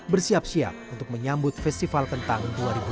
bersiap siap untuk menyambut festival kentang dua ribu dua puluh